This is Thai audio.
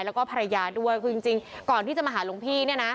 แล้วก็ภรรยาด้วยกรณ์จริงก่อนที่จะมาหาลุงพี่